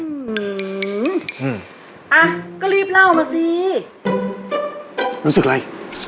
อะก็รีบเล่ามาสิรู้สึกไง